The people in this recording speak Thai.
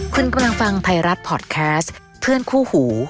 คุณกำลังฟังไทยรัฐพอร์ตแคสต์เพื่อนคู่หู